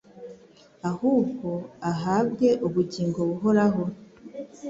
ahubwo ahabwe ubugingo buhoraho.»